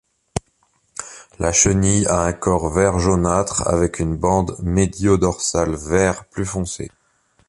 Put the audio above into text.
La chenille a un corps vert jaunâtre avec une bande médio-dorsale vert plus foncé.